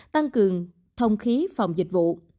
tăng cường thông khí phòng dịch vụ